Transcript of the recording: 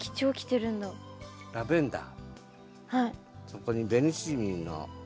そこにベニシジミの。